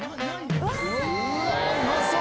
うわっうまそう！